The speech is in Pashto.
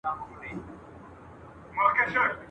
ما مي یوسف ته د خوبونو کیسه وژړله !.